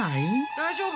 大丈夫？